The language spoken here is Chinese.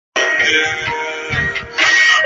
异果短肠蕨为蹄盖蕨科短肠蕨属下的一个种。